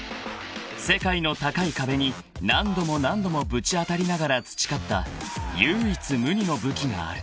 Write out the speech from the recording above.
［世界の高い壁に何度も何度もぶち当たりながら培った唯一無二の武器がある］